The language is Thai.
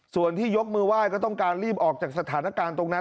ส่วนที่ยกมือไหว้ก็ต้องการรีบออกจากสถานการณ์ตรงนั้น